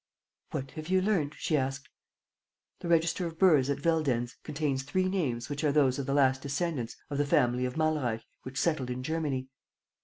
"What have you learnt?" she asked. "The register of births at Veldenz contains three names which are those of the last descendants of the family of Malreich, which settled in Germany.